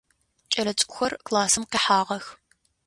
Кӏэлэцӏыкӏухэр классым къихьагъэх.